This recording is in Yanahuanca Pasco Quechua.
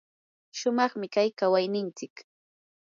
shumaqmi kay kawaynintsik.